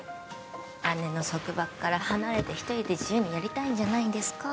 姉の束縛から離れて一人で自由にやりたいんじゃないんですか